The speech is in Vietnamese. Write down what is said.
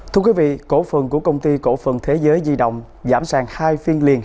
thưa quý vị cổ phần của công ty cổ phần thế giới di động giảm sàng hai phiên liền